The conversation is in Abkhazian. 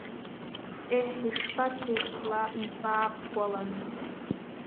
Еҳ, ишԥацеи сла нҵаакәкәалан!